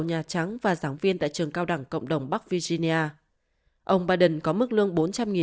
nhà trắng và giảng viên tại trường cao đẳng cộng đồng bắc virginia ông biden có mức lương bốn trăm linh